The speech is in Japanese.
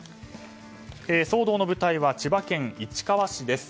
騒動の舞台は千葉県市川市です。